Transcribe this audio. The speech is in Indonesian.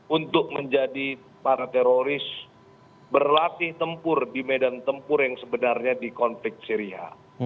untuk menjadi para teroris berlatih tempur di medan tempur yang sebenarnya di konflik syria